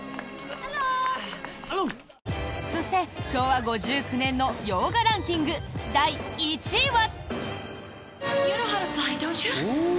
そして、昭和５９年の洋画ランキング第１位は。